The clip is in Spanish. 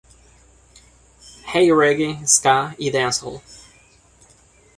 Hay Reggae, Ska y Dancehall.